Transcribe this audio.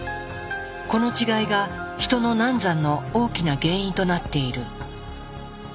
この違いがヒトの難産の大きな原因となっている。